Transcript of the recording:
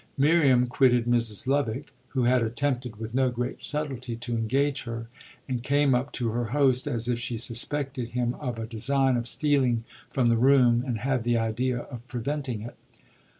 Miriam quitted Mrs. Lovick, who had attempted, with no great subtlety, to engage her, and came up to her host as if she suspected him of a design of stealing from the room and had the idea of preventing it.